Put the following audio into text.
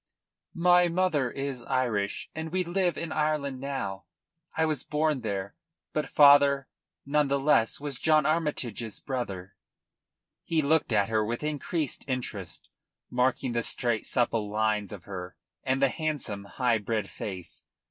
"My mother is Irish, and we live in Ireland now. I was born there. But father, none the less, was John Armytage's brother." He looked at her with increased interest, marking the straight, supple lines of her, and the handsome, high bred face.